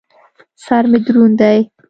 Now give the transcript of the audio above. سر مې دروند دى.